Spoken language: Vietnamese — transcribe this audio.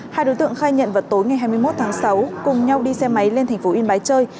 hai đối tượng khai nhận vào tối ngày hai mươi một tháng sáu cùng nhau đi xe máy lên thành phố yên bái chơi